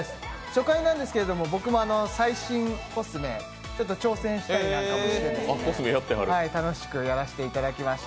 初回なんですけれども、僕も最新コスメ、挑戦したりなんかもしています。